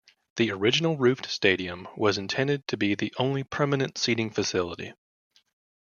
The original roofed stadium was intended to be the only permanent seating facility.